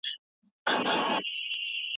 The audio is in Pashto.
که مرغۍ وساتو نو شور نه ورکيږي.